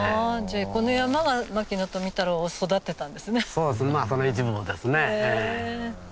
そうですねその一部分ですね。